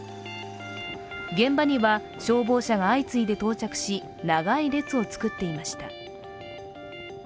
現場には消防車が相次いで到着し長い列を作っていました。